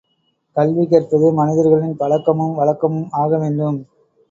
கல்வி கற்பது மனிதர்களின் பழக்கமும் வழக்கமும் ஆகவேண்டும்.